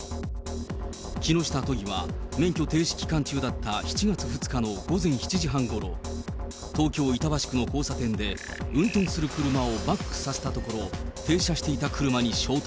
木下都議は、免許停止期間中だった７月２日の午前７時半ごろ、東京・板橋区の交差点で、運転する車をバックさせたところ、停車していた車に衝突。